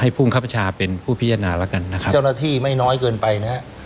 ภูมิครับประชาเป็นผู้พิจารณาแล้วกันนะครับเจ้าหน้าที่ไม่น้อยเกินไปนะฮะ